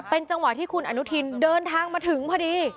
จังหวะที่คุณอนุทินเดินทางมาถึงพอดี